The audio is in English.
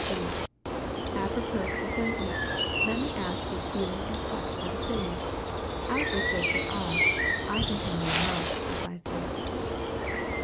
E. Apropos to the senses, let me ask if feeling and touch are the same. Alfred says they are; I contend they are not, precisely.